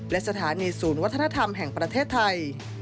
และสถานีศูนย์วัฒนธรรมแห่งประเทศไทย